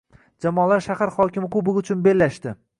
Jamoalar shahar hokimi kubogi uchun bellashdi